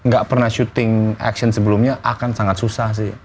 gak pernah syuting action sebelumnya akan sangat susah sih